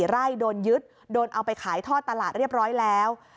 ไร่โดนยึดโดนเอาไปขายท่อตลาดเรียบร้อยแล้ว